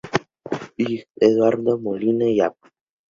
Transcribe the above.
Ing. Eduardo Molina y Av.